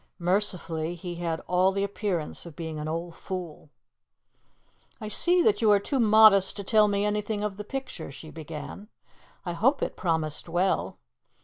Mercifully, he had all the appearance of being an old fool. "I see that you are too modest to tell me anything of the picture," she began. "I hope it promised well.